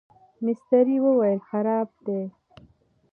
مستري وویل خراب دی.